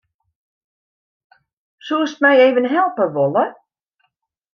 Soest my even helpe wolle?